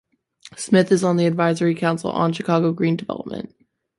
Smith is on the Advisory Council on Chicago Green Development.